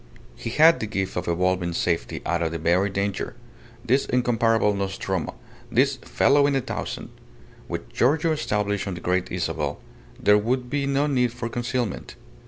He had the gift of evolving safety out of the very danger, this incomparable Nostromo, this "fellow in a thousand." With Giorgio established on the Great Isabel, there would be no need for concealment.